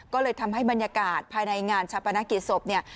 ก็เลยทำให้บรรยากาศภายในงานชาปนกิจศพเนี่ย